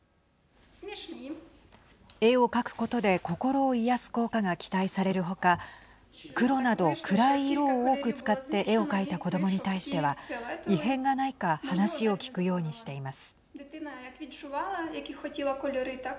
絵を描くことで心を癒やす効果が期待される他黒など、暗い色を多く使って絵を描いた子どもに対しては異変がないか話を聞くようにしています。